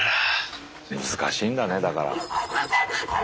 難しいんだねだから。